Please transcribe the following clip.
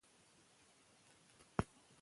که نجونې سفر وکړي نو دید به نه وي محدود.